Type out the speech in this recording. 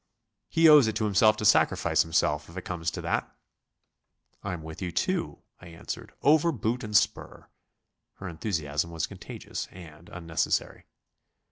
He owes it to himself to sacrifice himself, if it comes to that." "I'm with you too," I answered, "over boot and spur." Her enthusiasm was contagious, and unnecessary.